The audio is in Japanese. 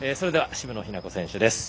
渋野日向子選手です。